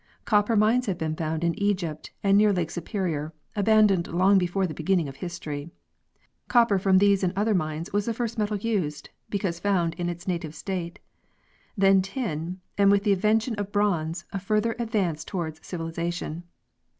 Copper mines have been found in Egypt and near Lake Superior, abandoned long before the beginning of history ; copper from these and other mines was the first metal used be cause found in its native state; then tin, and with the invention of bronze a further advance toward civilization.